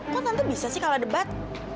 kok tante bisa sih kalah debat